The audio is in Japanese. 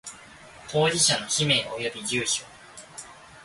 当事者の氏名及び住所